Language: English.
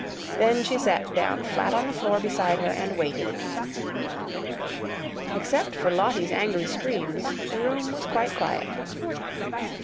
Then she sat down flat on the floor beside her and waited. Except for Lottie's angry screams, the room was quite quiet.